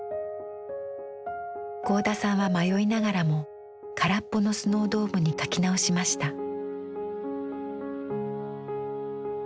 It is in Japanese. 合田さんは迷いながらも空っぽのスノードームに描き直しました。